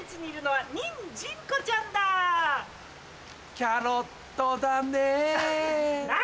キャロットだねぇ！